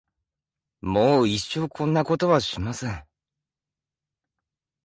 もう一生こんなことはしません。